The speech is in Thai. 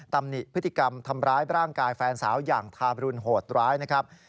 ตำหนิพฤติกรรมทำร้ายร่างกายแฟนสาวอย่างทาบรุณโหดร้ายนะครับ